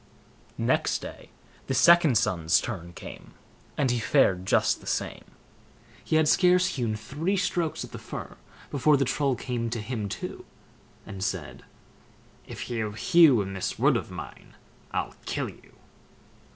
Next day the second son's turn came, and he fared just the same. He had scarce hewn three strokes at the fir, before the Troll came to him too, and said: "If you hew in this wood of mine, I'll kill you."